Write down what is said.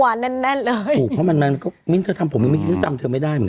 ก็เที่ยงคืนก็ต้องตี๕ใช่ไหม